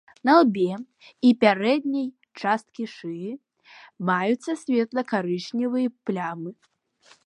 На лбе і пярэдняй часткі шыі маюцца светла-карычневыя плямы.